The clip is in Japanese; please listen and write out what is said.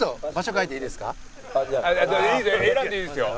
選んでいいですよ。